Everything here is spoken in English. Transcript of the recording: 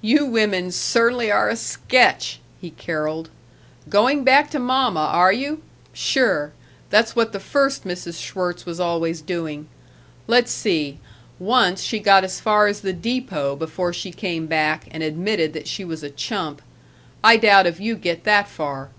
"You women cer'nly are a sketch!" he caroled. "Going back to mamma, are you? Sure! That's what the first Mrs. Schwirtz was always doing. Let's see. Once she got as far as the depot before she came back and admitted that she was a chump. I doubt if you get that far.